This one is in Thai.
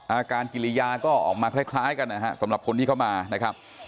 การกิริยาก็ออกมาคล้ายกันนะฮะสำหรับคนที่เข้ามานะครับ